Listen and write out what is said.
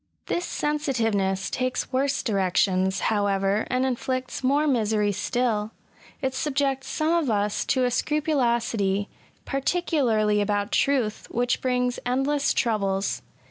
This sensitiveness takes worse directions, how ever, and inflicts more misery still. It subjects some of us to a scrupulosity, particularly about SOME PERILS AND PAINS OF INVALIDISM. 183 truth, which brings endless troubles.